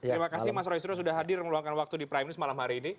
terima kasih mas roy suryo sudah hadir meluangkan waktu di prime news malam hari ini